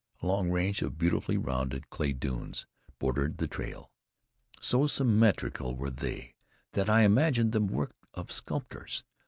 A long range of beautifully rounded clay stones bordered the trail. So symmetrical were they that I imagined them works of sculptors.